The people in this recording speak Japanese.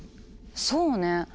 そうね。